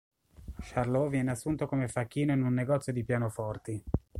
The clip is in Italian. Charlot viene assunto come facchino in un negozio di pianoforti.